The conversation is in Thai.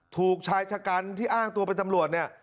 ถูกชายชะกันที่อ้างตัวเป็นตำรวจเนี่ย